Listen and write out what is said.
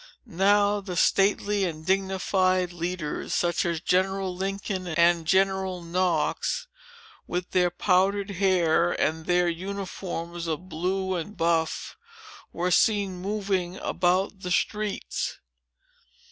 Now, the stately and dignified leaders, such as General Lincoln and General Knox, with their pondered hair and their uniforms of blue and buff, were seen moving about the streets."